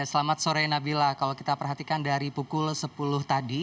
selamat sore nabila kalau kita perhatikan dari pukul sepuluh tadi